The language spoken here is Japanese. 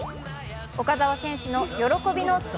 岡澤選手の喜びの「ス」